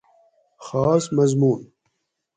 خاص مضمون